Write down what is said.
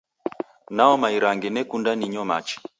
Naoma irangi nekunda ninyo machi